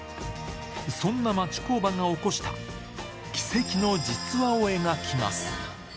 そんな町工場が起こした、奇跡の実話を描きます。